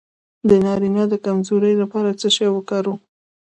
د نارینه د کمزوری لپاره څه شی وکاروم؟